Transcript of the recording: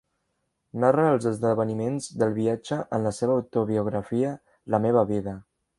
Narra els esdeveniments del viatge en la seva autobiografia, "La meva vida".